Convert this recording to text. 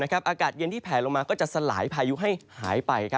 อากาศเย็นที่แผลลงมาก็จะสลายพายุให้หายไป